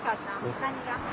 何が？